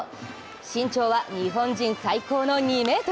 身長は日本人最高の２ｍ。